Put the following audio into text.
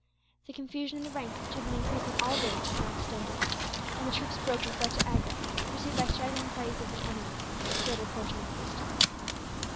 The confusion in the ranks, which had been increasing all day, now extended; and the troops broke and fled to Agra, pursued by straggling parties of the enemy for the greater portion of the distance.